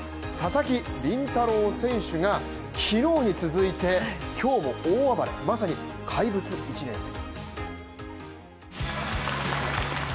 花巻東の佐々木麟太郎選手が昨日に続いて今日も大暴れまさに怪物１年生です。